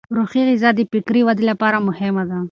روحي غذا د فکري ودې لپاره مهمه ده.